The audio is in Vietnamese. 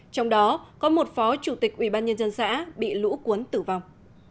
trong đó có một phó chủ tịch ubnd xã bị lũ cuốn tử vong